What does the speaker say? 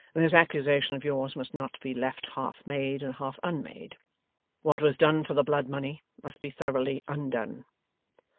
'This accusation of yours must not be left half made and half unmade. What was done for the blood money must be thoroughly undone.